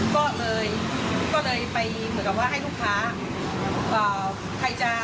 ก็เลยไปเหมือนกับว่าให้ลูกค้า